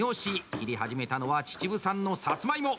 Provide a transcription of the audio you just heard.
切り始めたのは秩父産のさつまいも！